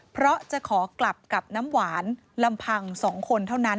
เพราะจะขอกลับกับน้ำหวานลำพัง๒คนเท่านั้น